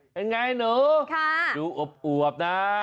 เป็นไงหนูดูอวบนะ